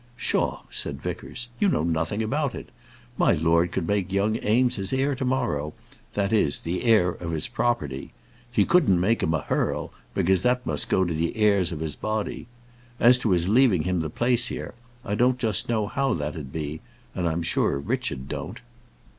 "Psha," said Vickers: "you know nothing about it. My lord could make young Eames his heir to morrow; that is, the heir of his property. He couldn't make him a hearl, because that must go to the heirs of his body. As to his leaving him the place here, I don't just know how that'd be; and I'm sure Richard don't."